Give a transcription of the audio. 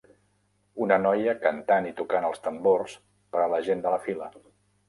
Una noia cantant i tocant els tambors per a la gent de la fila.